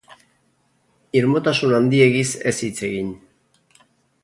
Irmotasun handiegiz ez hitz egin.